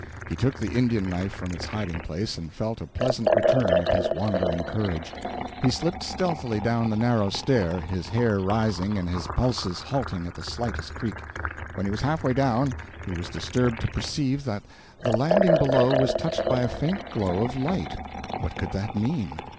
He took the Indian knife from its hiding place, and felt a pleasant return of his wandering courage. He slipped stealthily down the narrow stair, his hair rising and his pulses halting at the slightest creak. When he was half way down, he was disturbed to perceive that the landing below was touched by a faint glow of light. What could that mean?